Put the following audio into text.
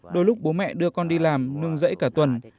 đôi lúc bố mẹ đưa con đi làm nương rẫy cả tuần